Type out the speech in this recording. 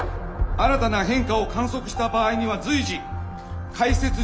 新たな変化を観測した場合には随時解説情報を発表いたします。